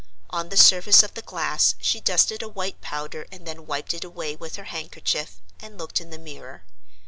On the surface of the glass she dusted a white powder and then wiped it away with her handkerchief and looked in the mirror.